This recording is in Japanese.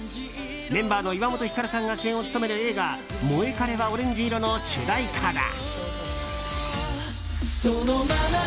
メンバーの岩本照さんが主演を務める映画「モエカレはオレンジ色」の主題歌だ。